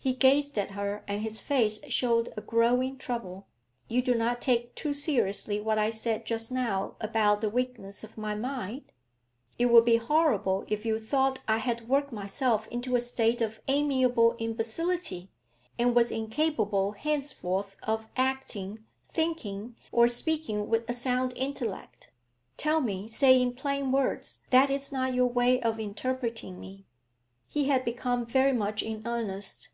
He gazed at her, and his face showed a growing trouble. 'You do not take too seriously what I said just now about the weakness of my mind? It would be horrible if you thought I had worked myself into a state of amiable imbecility, and was incapable henceforth of acting, thinking, or speaking with a sound intellect. Tell me, say in plain words that is not your way of interpreting me.' He had become very much in earnest.